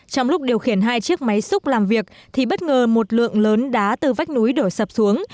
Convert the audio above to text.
trong lúc điều khiển hai chiếc máy xúc làm việc thì bất ngờ một lượng lớn đá từ vách núi đổ sập xuống